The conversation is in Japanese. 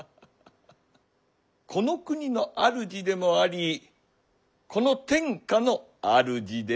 この国の主でもありこの天下の主でもある。